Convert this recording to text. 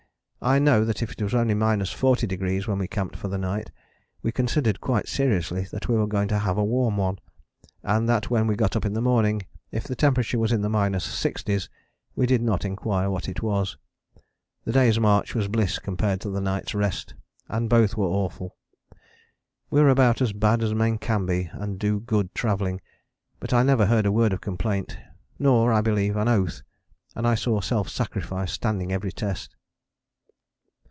I know that if it was only 40° when we camped for the night we considered quite seriously that we were going to have a warm one, and that when we got up in the morning if the temperature was in the minus sixties we did not enquire what it was. The day's march was bliss compared to the night's rest, and both were awful. We were about as bad as men can be and do good travelling: but I never heard a word of complaint, nor, I believe, an oath, and I saw self sacrifice standing every test.